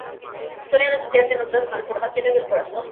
Suele asociarse a otras malformaciones del corazón.